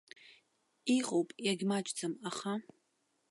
Иҟоуп, иагьмаҷӡам, аха.